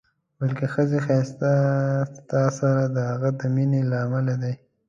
بلکې ښځې ښایست ستا سره د هغې د مینې له امله دی.